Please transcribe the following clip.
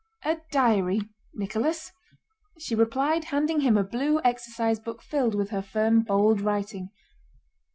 "A diary, Nicholas," she replied, handing him a blue exercise book filled with her firm, bold writing.